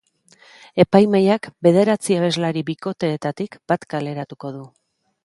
Epaimahaiak bederatzi abeslari bikoteetatik bat kaleratuko du.